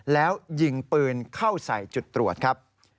แล้วยิงปืนเข้าใส่จุดตรวจครับ